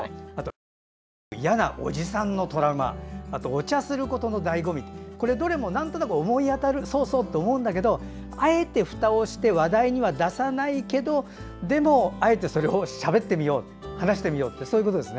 「今もうずく“嫌なおじさん”のトラウマ」『「お茶すること」の醍醐味』どれもなんとなく思い当たるそうそうって思うんだけどあえてふたをして話題に出さないことをでも、あえてそれをしゃべってみよう話してみようって。